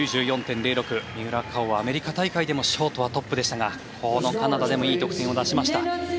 三浦佳生はアメリカ大会でもショートはトップでしたがこのカナダでもいい得点を出しました。